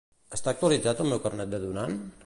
Està actualitzat el meu el carnet de donant?